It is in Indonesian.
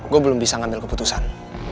gue belum bisa ngambil keputusan